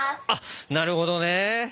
あっなるほどね！